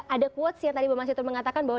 ada quotes yang tadi bang masito mengatakan bahwa